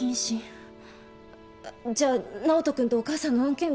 あっじゃあ直人君とお母さんの案件は？